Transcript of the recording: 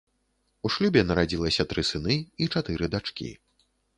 У шлюбе нарадзілася тры сыны і чатыры дачкі.